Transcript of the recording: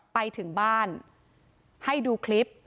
ไปถึงบ้านให้ดูคลิป